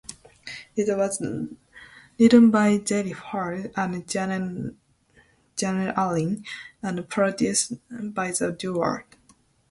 It was written by Daryl Hall and Janna Allen, and produced by the duo.